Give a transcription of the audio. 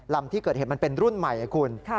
ลำที่เกิดเหตุมันเป็นรุ่นใหม่คุณ